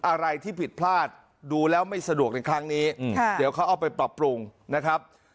อะไรที่ผิดพลาดดูแล้วไม่สะดวกในครั้งนี้เดี๋ยวเขาเอาไปปรับปรุงนะครับ